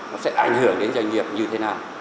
nó sẽ ảnh hưởng đến doanh nghiệp như thế nào